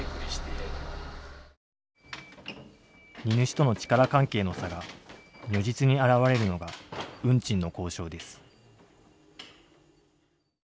荷主との力関係の差が如実に表れるのが運賃の交渉です。